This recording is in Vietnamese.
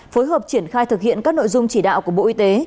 phối hợp triển khai thực hiện các nội dung chỉ đạo của bộ y tế